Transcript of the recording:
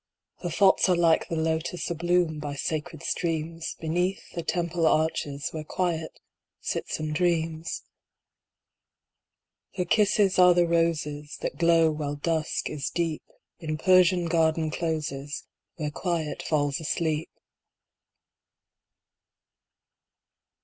Her thoughts are like the lotus Abloom by sacred streams Beneath the temple arches Where Quiet sits and dreams. Her kisses are the roses That glow while dusk is deep In Persian garden closes Where Quiet falls asleep.